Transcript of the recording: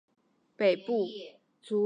加盖福毛加位于萨瓦伊岛北部。